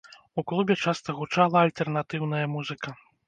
У клубе часта гучала альтэрнатыўная музыка.